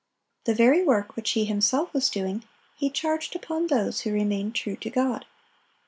The very work which he himself was doing, he charged upon those who remained true to God.